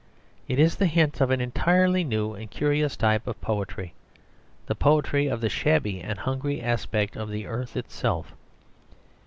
It is the hint of an entirely new and curious type of poetry, the poetry of the shabby and hungry aspect of the earth itself.